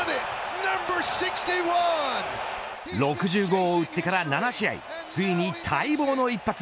６０号を打ってから７試合ついに待望の一発。